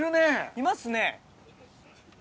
いますね。